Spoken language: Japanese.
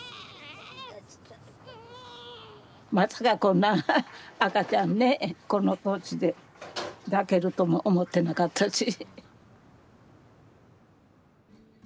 まさかこんな赤ちゃんねこの年で抱けるとも思ってなかったし。